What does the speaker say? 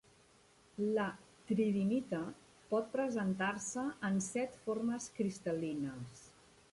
La tridimita pot presentar-se en set formes cristallines.